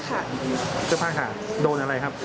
เสื้อผ้าขาดโดนอะไรครับ